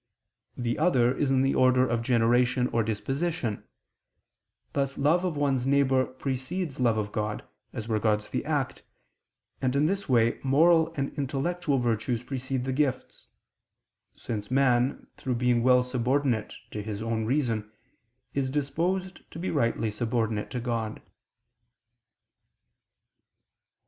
The other is the order of generation or disposition: thus love of one's neighbor precedes love of God, as regards the act: and in this way moral and intellectual virtues precede the gifts, since man, through being well subordinate to his own reason, is disposed to be rightly subordinate to God.